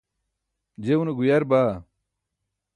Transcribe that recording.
je une guyar baa